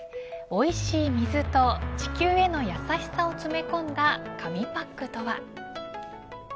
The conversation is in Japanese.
おいしい水と地球への優しさを詰め込んだ紙パックとは。